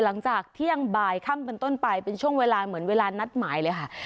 หลังจากเที่ยงบ่ายค่ำเป็นต้นไปเป็นช่วงเวลาเหมือนเวลานัดหมายเลยค่ะ